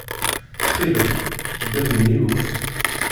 Ttxil-m ddem-n yiwen.